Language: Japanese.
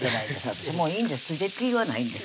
私もういいんですついていく気はないんです